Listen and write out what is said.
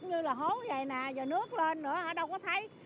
như là hố vậy nè giờ nước lên nữa hả đâu có thấy